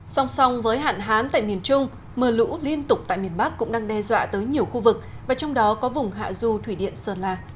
song song với hạn hán tại miền trung mưa lũ liên tục tại miền bắc cũng đang đe dọa tới nhiều khu vực và trong đó có vùng hạ du thủy điện sơn la